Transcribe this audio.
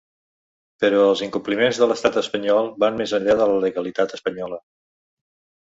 Però els incompliments de l’estat espanyol van més enllà de la legalitat espanyola.